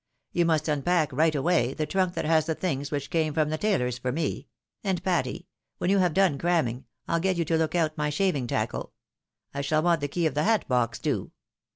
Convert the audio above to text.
You must unpack right away the trunk that has the things which came from the tailor's for me — and Patty, when you have done cramming, I'll get you to look out my shaving tackle ; I shall want the ke^ ot the hat box too.